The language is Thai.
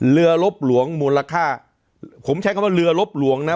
ลบหลวงมูลค่าผมใช้คำว่าเรือลบหลวงนะ